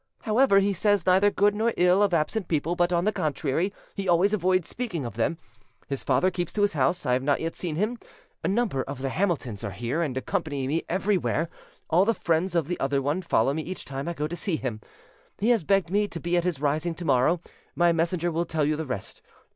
However, he says neither good nor ill of absent people; but, on the contrary, he always avoids speaking of them. His father keeps to the house: I have not seen him yet. A number of the Hamiltons are here, and accompany me everywhere; all the friends of the other one follow me each time I go to see him. He has begged me to be at his rising to morrow. My messenger will tell you the rest.